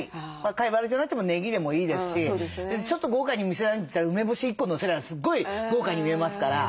かいわれじゃなくてもねぎでもいいですしちょっと豪華に見せたいんだったら梅干し１個のせりゃすっごい豪華に見えますから。